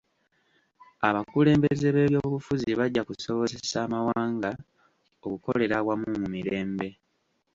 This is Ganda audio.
Abakulembeze b'ebyobufuzi bajja kusobozesa amawanga okukolera awamu mu mirembe.